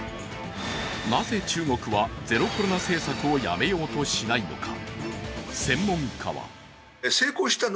なぜ中国はゼロコロナ政策をやめようとしないのか。